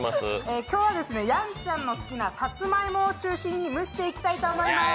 今日はやんちゃんの好きなさつまいもを中心に蒸していきたいと思います。